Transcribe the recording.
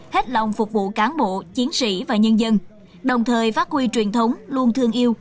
hết lòng phục vụ cán bộ chiến sĩ và nhân dân đồng thời phát huy truyền thống luôn thương yêu